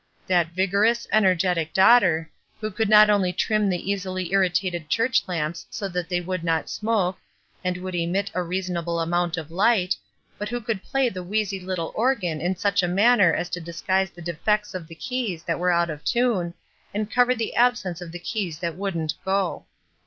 That \igorous, energetic daughter, who could not only trim the easily irritated church lamps so that they would not smoke, and would SACRIFICE 21 emit a reasonable amount of light, but who could play the wheezy little organ in such manner as to disguise the defects of the keys that were out of tune, and cover the absence of the keys that wouldn't "go."